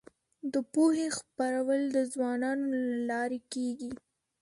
د پوهې خپرول د ځوانانو له لارې کيږي.